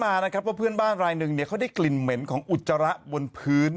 มานะครับว่าเพื่อนบ้านรายหนึ่งเนี่ยเขาได้กลิ่นเหม็นของอุจจาระบนพื้น